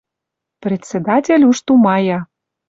Председатель уж тумая